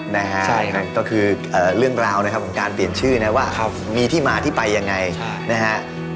นะฮะใช่ครับก็คือเรื่องราวนะครับของการเปลี่ยนชื่อนะว่ามีที่มาที่ไปยังไงนะฮะ